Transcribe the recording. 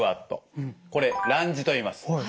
これランジといいます。